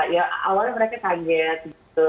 ya awalnya mereka kaget gitu